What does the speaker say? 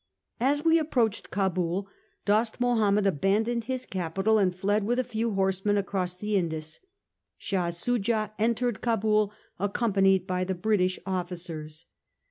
As we approached Cabul, Dost Mahomed abandoned his capital and fled with a few horsemen across the Indus. Shah Soojah entered Cabul accompanied by the British officers.